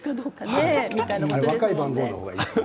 若い番号の方がいいですよ。